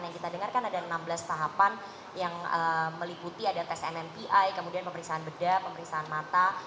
yang kita dengarkan ada enam belas tahapan yang meliputi ada tes nmpi kemudian pemeriksaan bedah pemeriksaan mata